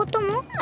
あ。